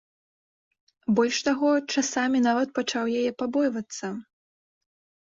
Больш таго, часамі нават пачаў яе пабойвацца.